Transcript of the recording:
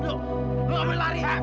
lo gak boleh lari